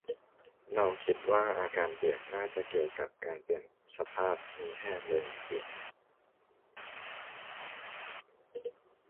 เราคิดว่า อาการเปียกน่าจะเกี่ยวกับการเปลี่ยนสภาพ มีแห้ง เลยมีเปียก